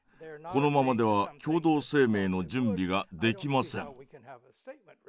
このままでは共同声明の準備ができません」。